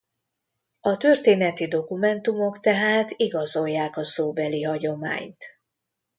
A történeti dokumentumok tehát igazolják a szóbeli hagyományt.